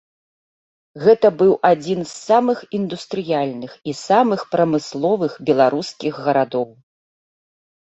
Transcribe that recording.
Гэта быў адзін з самых індустрыяльных і самых прамысловых беларускіх гарадоў.